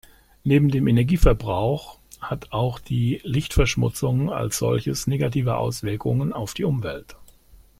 Neben dem Energieverbrauch hat auch die Lichtverschmutzung als solches negative Auswirkungen auf die Umwelt.